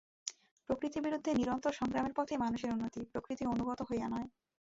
প্রকৃতির বিরুদ্ধে নিরন্তর সংগ্রামের পথেই মানুষের উন্নতি, প্রকৃতির অনুগত হইয়া নয়।